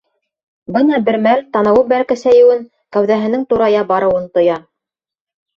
Бына бер мәл танауы бәләкәсәйеүен, кәүҙәһенең турая барыуын тоя.